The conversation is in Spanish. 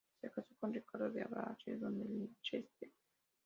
Se casó con Ricardo de Avranches, Conde de Chester.